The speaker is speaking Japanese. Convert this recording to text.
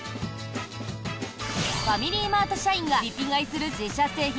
ファミリーマート社員がリピ買いする自社製品